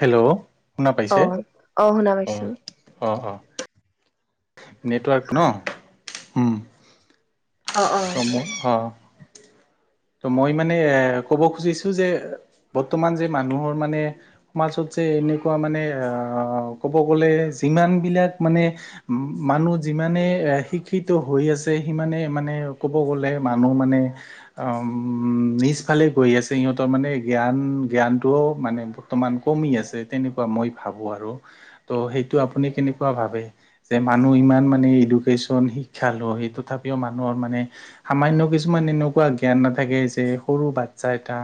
Hello? শুনা অ পাইছে? অ শুনা পাইছো। অ', অ' - অ'। নেটৱাৰ্ক ন'? হয় উম। অ কম অ'। হয় তো মই মানে এ ক'ব খুজিছোঁ যে বৰ্তমান যে মানুহৰ মানে সমাজত যে এনেকুৱা মানে, অ' ক'ব গ'লে যিমানবিলাক মানে ম- মানুহ মানে এ শিক্ষিত হৈ আছে, সিমানে মানে ক'ব গ'লে, মানুহ মানে উম- নিজফালে গৈ আছে। সিহঁতৰ মানে জ্ঞান- জ্ঞানটোও মানে বৰ্তমান ক মি আছে। তেনেকুৱা মই ভাবোঁ আৰু। তো সেইটো আপুনি কেনেকুৱা ভাৱে? যে মানু্হ মানে এডুকেশ্বন শিক্ষা লয়। তথাপিও মানুহৰ মানে সামান্য কিছুমান এনেকুৱা জ্ঞান নাথাকে, যে সৰু বাচ্ছা এটা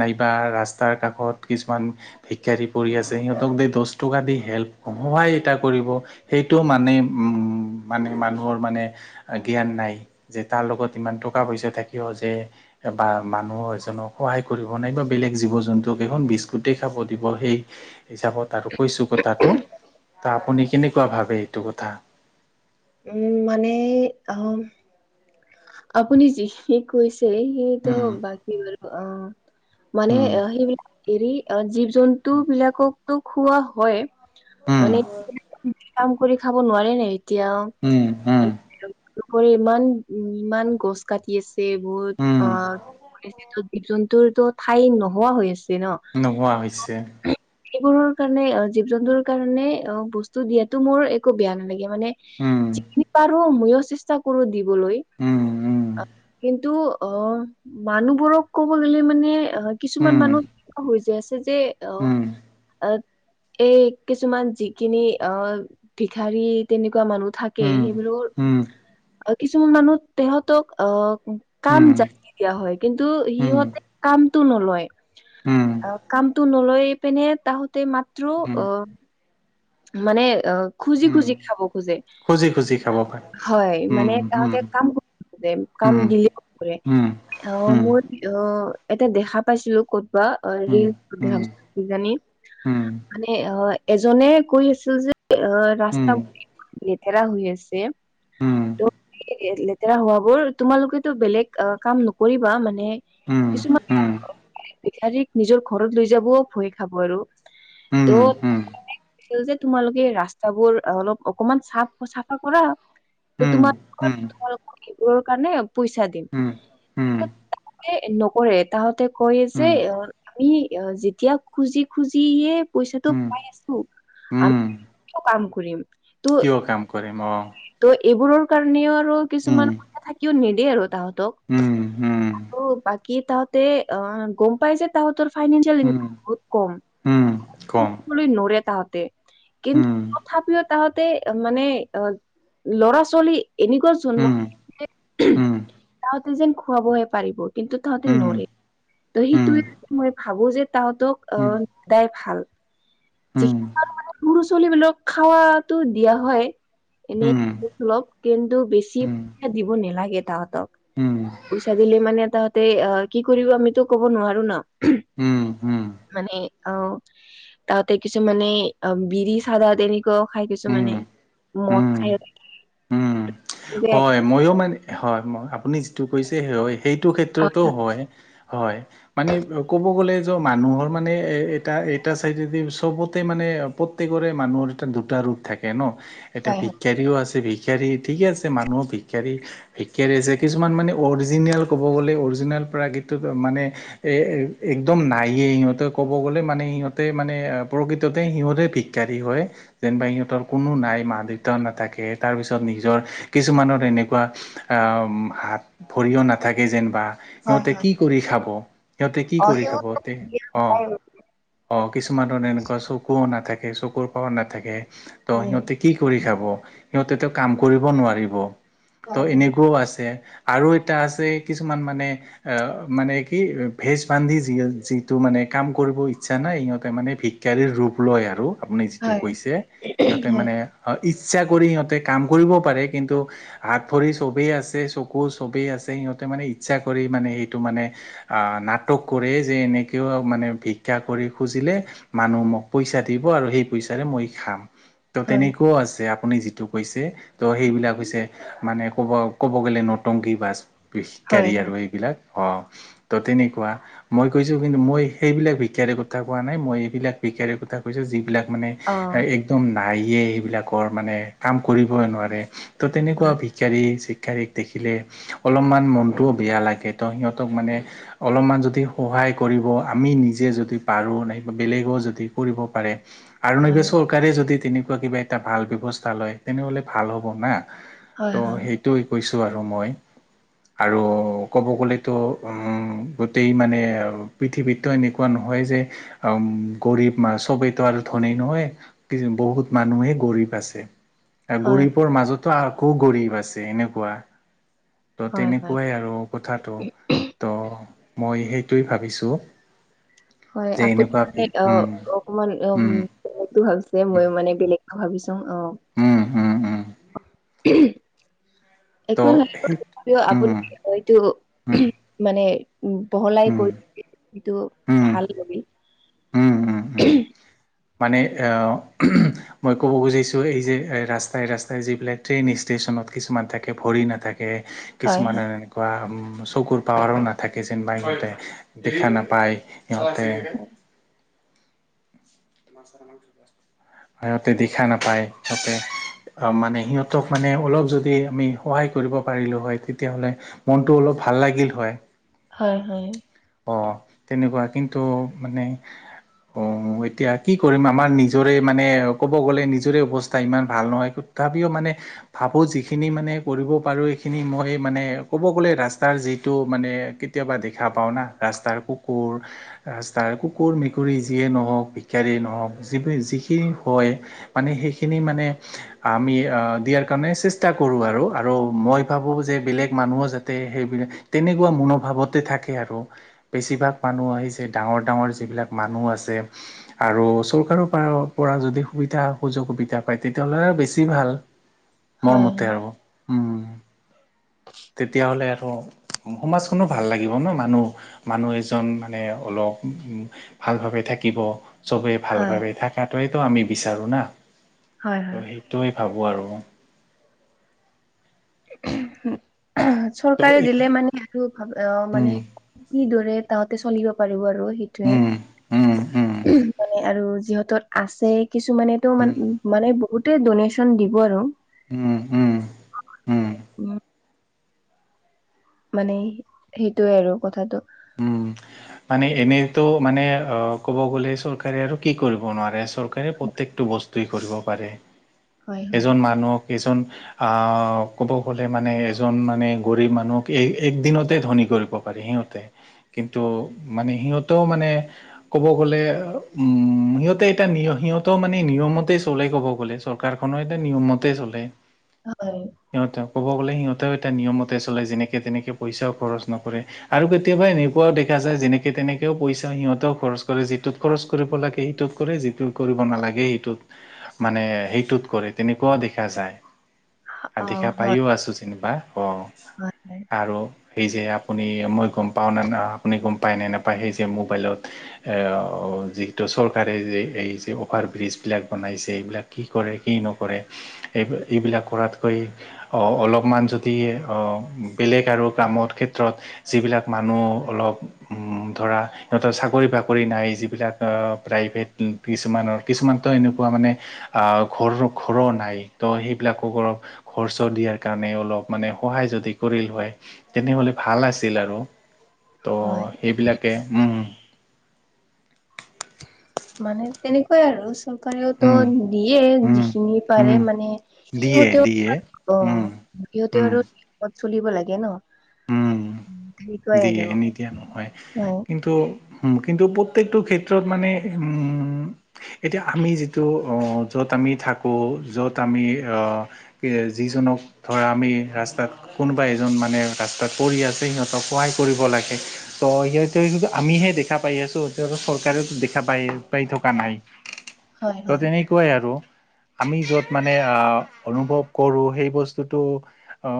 নাইবা ৰাস্তাৰ কাষত কিছুমান ভি ক্ষাৰী পৰি আছে। সিহঁতক দে- দহ টকা দি হেল্প- সহায় এটা কৰিব। সেইটো মানে মানে মানুহৰ মানে জ্ঞান নাই। যে তাৰ লগত কিমান টকা-পইচা থাকিও যে বা মানুহ এজনক সহায় কৰিব, নাইবা বেলেগ জীৱ-জন্তুক এখন বিস্কুট খাব দি বহি হিচাপত আৰু, কৈছোঁ কথাটো। তো আপুনি কেনেকুৱা ভাবে এইটো কথা? উম, মানে অ'- আপুনি যিখিনি কৈ ছে, সেইটো উম। বাকী [unintelligible] অ'। মানে উম। সেইবিলাক এৰি অ'- জীৱ জন্তুবিলাককতো খুওৱা হয়ে। উম, মানে কাম কৰি খাব নোৱাৰে নে এতিয়া উম - হুম। [unintelligible] ইমান- ইমান গছ কাটি আছে বহুত। উম, অ' জীৱ-জন্তুৰ তো ঠাই নোহোৱা হৈ আছে ন' নোহোৱা হৈছে। সেইবোৰ কাৰণে- অ' জীৱ-জন্তুৰ কাৰণে অ' বস্তু দিয়াতো মোৰ একো বেয়া নালাগে। মানে উম, পাৰোঁ, ময়ো চেষ্টা কৰোঁ দিবলৈ। উম, উম, কিন্তু অ' মানুহবোৰক ক'ব ললে, মানে অ' কিছুমান উম, মানুহ হৈ যাই আছে যে, অ'- উম, অ' এই কিছুমান যিখিনি অ' ভিক্ষাৰী তেনেকুৱা মানুহ থা উম, উম। কিছুমান মানুহ তেহঁতক অ' কাম উম, যাচি দিয়া হয়। কিন্তু উম, সিহঁতে কামটো নলয়। উম, অ' কামটো নলৈপিনে তাহোতে মাত্ৰ উম, অ' মানে অ' খুজি - উম, খুজি খাব খোজে। খুজি খুজি খাব পাৰে। হয়, উম, মানে উম, তাহতে কাম কৰে। কাম উম, দিলে নকৰে। উম, অ' উম, মোৰ অ' এটা দেখা পাইছিলোঁ ক'তবা, অ' উম, ৰিল দেখা উম, পাইছিলোঁ কিজানি উম, মানে অ' এজনে কৈ আছিল যে অ' ৰাস্তা উম, [inaudible] লেতেৰা হৈ আছে। উম, উম, তো এই লেতেৰা হোৱাবোৰ তোমালোকেতো বেলেগ অ' কাম নকৰিবা মানে উম, কিছুমানে উম, আৰু ভিক্ষাৰীক নিজৰ ঘৰত লৈ যাবও ভয় খাব আৰু। তো উম, উম, উম, যে তোমালোকে ৰাস্তাবোৰ অলপ অকমান চাফ- অ' চাফা কৰা। তো তোমাল উম, [inaudible] সেইবোৰৰ কাৰণে পইচা দিম। উম, এ নকৰে। তাতে কয় যে উম, অ' আমি যেতিয়া খুজি খুজিয়ে পইচাটো উম পাই আছোঁ। আ উম, [inaudible] কিয় কাম কৰিম? ত' কিয় কাম কৰিম, অ'। ত' এইবোৰৰ কাৰণেও আৰু উম, কিছুমান কা থাকিও নিদে আৰু তাহত উম, উম, বাকী তাহতে অ' গম পাই যে তাহতৰ ফাইনেঞ্চিয়েল উম, ইনকাম বহুত কম উম, কম নৰে তাহতে কিন্তু উম, তথাপিও তাহতে মানে অ' ল'ৰা ছোৱালী এনেকুৱা জন্ম উম, যে উম, তাহতে যেন খুৱাবহে পাৰিব কিন্তু তাহাঁতে উম, নৰে ত উম, সেইটোৱে মই ভাবো যে তাহতোক উম, উম, আহ সদায় ভাল। উম, সৰু ছোৱালী বিলাক খাৱাতো দিয়া হয়। এনে উম, লক কিন্তু বেছি পইচা দিব নালাগে। তাহতক পইচা দিলে মানে তাহতে অ' কি কৰিব আমিতো ক'ব নোৱাৰো ন উম, উম, উম, মানে অ' ততে কিছু কিছু মানে অ' বিৰি চাদা তেনেকুৱাও খাই কিছু মমানে উম, মদ উম, খায়। উম হয় মইয়ো মানে হয় ম আপুনি যিটো কৈছে হয়। সেই ‍টো অ ক্ষেত্ৰতো হয় হয় মানে ক'ব গ'লে মানুহৰ মানে এ এটা এটা চাইড দি চবতে মান প্ৰতেকৰে মানুহৰ এ দুটা ৰূপ থাকে ন এতিয়া হয় ভিক্ষাৰীও আছে। ভিক্ষাৰী ঠিকে আছে মানুহ ভিক্ষাৰী ভিক্ষাৰী আছে কিছুমান মানে অৰিজিনেল ক'ব গ'লে অৰিজিনেল পৰা কিন্তু মানে এ একদম নাইে সিহতে ক'ব গলে মানে সিহঁতে মানে প্ৰকৃততে সিহঁতে ভিক্ষাৰী হয় যেনিবা সিহঁতৰ কোনো নাই মা দেউতা নাথাকে তাৰ পিছত নিজৰ কিছুমানৰ এনেকুৱা হাত ভৰিও নাথাকে যেনিবা। হয় সিহঁতে হয় কি কৰি খাব সিহঁতে কি অ কৰি সেও খাব তে অ'। হয় অ' কিছুমাৰ এনেকুৱা চকুও নাথাকে। চকুৰ পাৱাৰ নাথাকে ত হয় সিহঁতে কি কৰি খাব সিহঁতেতো কাম কৰিব নোৱাৰিব। ব ত হয় হয় এনেকো আছে। আৰু এটা আছে কিছুমান মানে অ' মানে কি ভেজ বান্ধি যি যিটো মানে কাম কৰিব ইচ্ছা নাই সিহঁতে মানে ভিকাৰীৰ ৰূপ লয় আৰু। আপুনি যিটো হয় কৈছে সিহঁতে মানে ইচ্ছা কৰি সিহঁতে কাম কৰিব পাৰে কিন্তু হাত ভৰি চবেই আছে চকু চবেই আছে। সিহঁতে মানে ইচ্ছা কৰি মানে সেইটো মানে নাটক কৰে যে এনেকৈও মানে ভিক্ষা কৰি খুজিলে মানুহ মোক পইচা দিব। আৰু সেই পইচাৰে মই খাম ত' হয় তেনেকুৱাও আছে আপুনি যিটো কৈছে ত' সেইবিলাক হৈছে মানে ক'ব ক'ব গ'লে নটংগী বাছ হয় ভিক্ষাৰী হয় আৰু এইবিলাক। অ' ত তেনেকুৱা মই কৈছো কিন্তু মই সেইবিলাক ভাৰে কথা কোৱা নাই মই এইবিলাক ভিক্ষাৰীৰ কথা কৈছে যিবিলাক মান অ একদম নায়ে এইবিলাকৰ মানে কাম কৰিবই নোৱাৰে ত তেনেকুৱা হয় ভিক্ষাৰী ভিক্ষাৰীক দেখিলে অলপমান মনতটোও বেয়া লাগে ত সিহঁতক মানে অলপমান যদি সহায় সহায় কৰিব আমি নিজে যদি পাৰোঁ নাইবা বেলেগো যদি কৰিব পাৰে। আৰু নাইবা হয় চৰকাৰে যদি তেনেকুৱা কিবা এটা ভাল ব্যবস্থা লয় তেনেহলে ভাল হ'ব না। হয় ত' হয় সেইটোোৱে কৈছো আৰু মই। আৰু ক'ব গলেতো উম গোটেই মানে পৃথিৱীততো এনেকুৱা ন হয় যে গৰীব ম চবেইতো আৰু ধনী নহয় কি বহুত মানুহে গৰীব। আছে হয়, গৰীবৰ মাজতো আকৌ গৰীব আছে এনেকুৱা। ত হয়, হয়, তেনেকুৱাই আৰু কথাটো ত মই সেইটোৱেই ভাবিছোঁ। হয় যে আপুনি এনেকুৱা বি মানে উম অ' অকমান উম বেলেগ ভাবিছে মই মানে বেলেগ ভাবিছো অ উম উম উম [unintelligible] একো ত' [unintelligible] সেই তথাপিও আপুনি উম হয়তটো উম [unintelligible] মানে উ বহলাই উম কৈছে সেইটো উম ভাল লাগে। উম উম উম [inaudible] মানে মই ক'ব খুজিছোঁ এই যে ৰাস্তাই ৰাস্তাই যিবিলাক ট্ৰেইন ষ্টেচ নট কিছুমান থাকে ভৰি নাথাকে হয়, হয়, কিছুমানে এনেকুৱা চকুৰ পাৱাৰো নাথাকে যেনিবা সিহঁতে [unintelligible] দেখা নাপায় সিহঁতে। [unintelligible] সিহঁতে দেখা নাপায় সিহঁতে [unintelligible] অ' মানে সিহঁতক মানে অলপ যদি আমি সহায় কৰিব পাৰিলোঁ হয় তেতিয়া হ'লে মনটো অলপ ভাল লাগিল হয়। হয় হয়। অ' তেনেকুৱা কিন্তু মানে অ' এতিয়া কি কৰিম আমাৰ নিজৰে মানে ক'ব গ'লে নিজৰে অৱস্থা ইমান ভাল নহয়। তথাপিও মানে ভাবোঁ যিখিনি মানে কৰিব পাৰোঁ সখিনি মই মানে ক'ব গ'লে ৰাস্তাৰ যি এইটো মানে কেতিয়াবা দেখা পাওঁ‌ না। ৰাস্তাৰ কুকুৰ ৰাস্তাৰ কুকুৰ মেকুৰী যিয়ে নহওক ভিকাৰীয়ে নহওক যিটো যি যিখিনি হয় মানে সেইখিনি মানে আমি দিয়াৰ কাৰণে চেষ্টা কৰো আৰু। আৰু মই ভাবোঁ যে বেলেগ মানুহো যাতে সেইবিলাক তেনেকুৱা মনোভাৱতে থাকে আৰু। বেছিভাগ মানুহ আহিছে ডাঙৰ ডাঙৰ যিবিলাক মানুহ আছে,, আৰু চৰকাৰৰ পৰা। পৰা যদি সুবিধা সুযোগ সুবিধা পায়। তেতিয়াহলে আৰু বেছি ভাল মোৰ হয়, হয়, মতে আৰু। উম তেতিয়াহ'লে আৰু সমাজখনো ভাল লাগিব ন মানুহ মানুহ এজন মানে অলপ ভালভাৱে থাকিব চবেই হয়, ভালভাৱে থকাত। সেইটোৱেইতো আমি বিচাৰোঁ না, হয়, হয়, তো হয়। সেইটোৱে ভাবোঁ আৰু ত' চৰকাৰে এই দিলে মানে আৰু ভ মানে উম কিৰে তাহতে চলিব পাৰো আৰু সেইটোয়ে, উম উম উম মানে আৰু যিহতত আছে কিছুমানেতো মান উম উ মানে গোটেই ডনেশ্যন দিব আৰু উম উম উম। মানে সেইটোৱে আৰু কথাটো। উম, মানে এনেতো মানে অ ক'ব গ'লে চৰকাৰে আৰু কি কৰিব নোৱাৰে চব। প্ৰত্যেকটো বস্তুৱেই কৰিব পাৰে, হয় হয়। এজন মানুহক এজন আহ ক'ব গ'লে মানে এজন মানে গৰীব মানুহক এই এক দিনতে ধনী কৰিব পাৰে। সিহঁতে, কিন্তু মানে সিহঁতেও মানে ক'ব গ'লে উম সিহঁতে এটা সিহঁতেও মানে,, নিয়মতে চলে ক'ব গ'লে চৰকাৰখননৰ এয়া নিয়মতে চলে। হয় সিহঁতে ক'ব গ'লে সিহঁতেও এটা নিয়মতে চলে। যেনেকে তেনেকে পইচাও খৰচ নকৰে আৰু কেতিয়াবা এনেকুৱাও দেখা যায়। যেনেকে তেনেকেও পইচা সিহঁতেও খৰচ কৰে যিটোত খৰচ কৰিব লাগে সেইটোত কৰে যিটো কৰিব নালাগে। সেইটোত, মানে সেইটোত কৰে তেনেকুৱাও দেখা যায়। অ আধিকা হয় পাইয়ো আছো যেনিবা অ' হয় আৰু সেই যে আপুনি মই গম পাওঁ ন ন। আপুনি গম পায় নে নাপায়? সেই যে মোবাইলত যিহেতু চৰকাৰে যে এই যে অফাৰ। ব্ৰীজ বিলাক বনাইছে সেইবিলাক কি কৰে, কি নকৰে, এইবিলাক কৰাতকৈ অলপমান যদি অ বেলেগ আৰু কামৰ ক্ষেত্ৰত যিবিলাক মানুহ অলপ উম ধৰা সিহঁতৰ চাকৰি বাকৰি নাই যিবিলাক প্ৰাইভেট কিছুমানৰ কিছুমান ত এনেকুৱা মানে অ' ঘৰ ঘৰো নাই ত' সেইবিলাকক অলপ খৰচ দিয়াৰ কাৰণে অলপ মানে সহায় যদি কৰিল হয় তেনেহলে ভাল আছিল আৰু। তো হয়। সেইবিলাকে মানে তেনেকুৱাই আৰু। চৰকাৰেওতো উম দিয়ে উম যিখিনি পাৰে উম মানে। দিয়ে সিহঁতেও দিয়ে প উম উম সিহঁতেও আৰু চলিব লাগে ন। উম তেনেকুৱাই আৰু দিয়ে নিদিয়া নহয়,, হয়। কিন্তু উম, কিন্তু প্ৰত্যয়েকটো ক্ষেত্ৰত মানে উম এতিয়া আমি যিটো অ' য'ত আমি থাকো য'ত আমি অ' যি জনক ধৰা আমি ৰাস্তাত কোনোবা এজন মানে ত পৰি আছে সিহঁতক সহায় কৰিব লাগে। ত' সিহঁতক আমিহে দেখা পাই আছো, তেওঁ চৰকাৰে দেখা পাই পাই থকা নাই। হয় ত হয়। তেনেকুৱাই আৰু। আমি যত মানে আহ অনুভৱ কৰো সেই বস্তুটো অ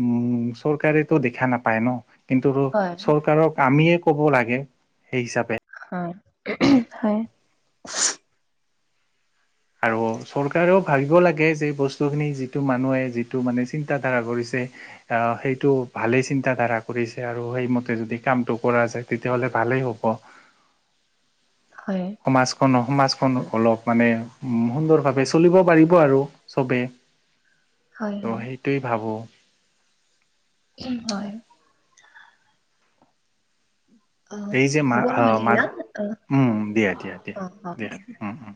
উম। চৰকাৰেটো দেখা নাপায় ন? কিন্তু হয় চৰকাৰক আমিয়ে ক'ব লাগে সেই হিচাপে। অ হয়। আৰু চৰকাৰেও ভাবিব লাগে যে বস্তু খিনি যিটো মানুহে যিটো মানে চিন্তা ধাৰা কৰিছে সেইটো ভালেই চিন্তা ধাৰা কৰিছে আৰু সেইমতে যদি কামটো কৰা যায় তেতিয়াহ'লে ভালেই হ'ব। হয়। সমাজখনক সমাজখন অলপ মানে সুন্দৰভাৱে চলিব পাৰিব আৰু চবে। হয় ত হয় সেইটোৱেই ভাবো। উম, হয়। অ এই যে হ'ব নহ'লে মাহ, না অ উম, অ অ। দিয়া-দিয়া-দিয়া-দিয়া, উম-উম।